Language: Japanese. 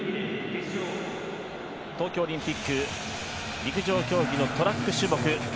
東京オリンピック陸上競技のトラック種目。